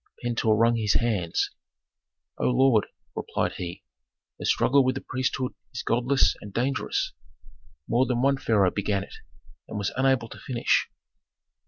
Pentuer wrung his hands. "O lord," replied he, "a struggle with the priesthood is godless and dangerous. More than one pharaoh began it, and was unable to finish."